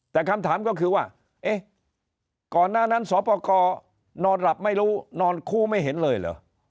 แต่คำถามก็คือว่าเอ๊ะก่อนหน้านั้นสปกรนอนหลับไม่รู้นอนคู่ไม่เห็นเลยเหรอ